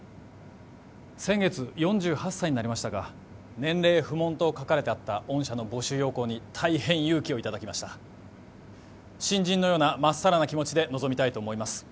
先月４８歳になりましたが年齢不問と書かれてあった御社の募集要項に大変勇気をいただきました新人のようなまっさらな気持ちで臨みたいと思います